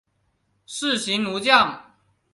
士行如将。